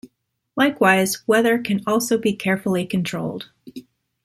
Likewise, weather can also be carefully controlled.